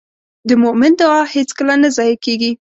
د مؤمن دعا هېڅکله نه ضایع کېږي.